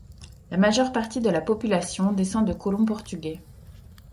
La majeure partie de la population descend de colons portugais.